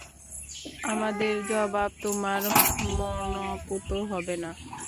আমাদের জবাব তোমার মনঃপুত হবে না।